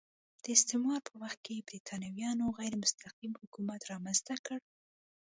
د استعمار په وخت کې برېټانویانو غیر مستقیم حکومت رامنځته کړ.